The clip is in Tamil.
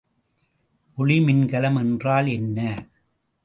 ஒளிமின்கலம் என்றால் என்ன?